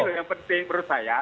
jadi ini yang penting menurut saya